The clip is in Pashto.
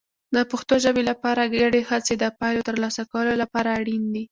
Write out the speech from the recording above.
د پښتو ژبې لپاره ګډې هڅې د پایلو ترلاسه کولو لپاره اړین دي.